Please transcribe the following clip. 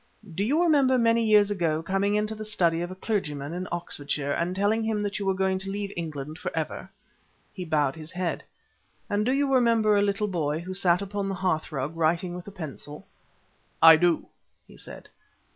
Do you remember many years ago coming into the study of a clergyman in Oxfordshire and telling him that you were going to leave England for ever?" He bowed his head. "And do you remember a little boy who sat upon the hearthrug writing with a pencil?" "I do," he said.